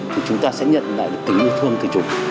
thì chúng ta sẽ nhận lại tình yêu thương từ chúng